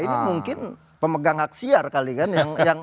ini mungkin pemegang hak siar kali kan